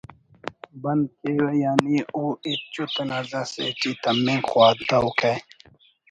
بند کیوہ یعنی او ہچ ءُ تنازعہ اسے ٹی تمنگ خواتوکہ